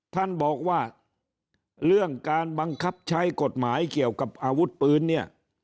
ท่านบอกว่าเรื่องการบังคับใช้กฎหมายเกี่ยวกับอาวุธปืนเนี่ย